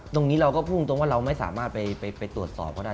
ตรงนี้เราก็พูดตรงว่าเราไม่สามารถไปตรวจสอบก็ได้